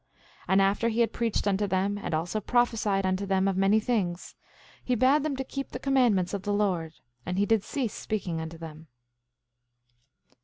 8:38 And after he had preached unto them, and also prophesied unto them of many things, he bade them to keep the commandments of the Lord; and he did cease speaking unto them.